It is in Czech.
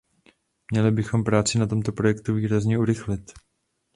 Měli bychom práci na tomto projektu výrazně urychlit.